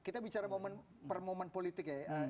kita bicara momen per momen politik ya